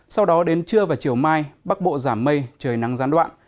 sau đó đến trưa và chiều mai bắc bộ giảm mây trời nắng gián đoạn